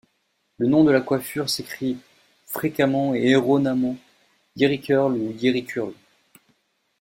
Le nom de la coiffure s'écrit fréquemment et erronément Jerry curl ou Jeri Curl.